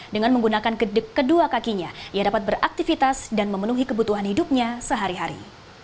dengan menggunakan kedua kakinya ia dapat beraktivitas dan memenuhi kebutuhan hidupnya sehari hari